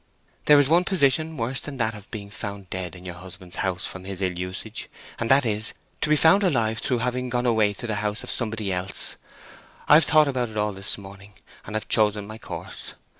There is one position worse than that of being found dead in your husband's house from his ill usage, and that is, to be found alive through having gone away to the house of somebody else. I've thought of it all this morning, and I've chosen my course.